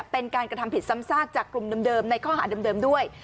เป็นการกระทำผิดซ้ำซากจากกลุ่มเดิมในข้อหาเดิมด้วย